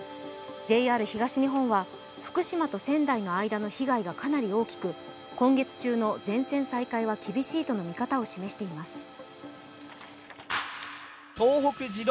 ＪＲ東日本は福島と仙台の被害がかなり大きく、今月中の全線再開は厳しいとの見方を示しています。